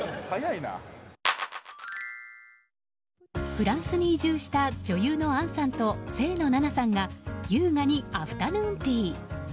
フランスに移住した女優の杏さんと清野菜名さんが優雅にアフタヌーンティー。